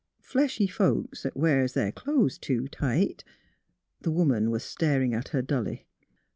Fleshy folks 'at wears their clo'es too tight " The woman was staring at her dully.